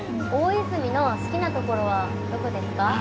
大泉の好きなところはどこですか？